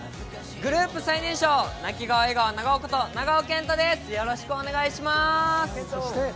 グループ最年少、泣き顔笑顔長尾こと長尾謙杜です。